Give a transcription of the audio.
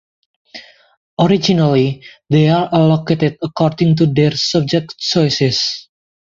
Originally they are allocated according to their subject choices.